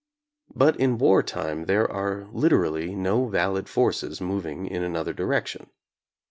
But in wartime there are liter ally no valid forces moving in another direction.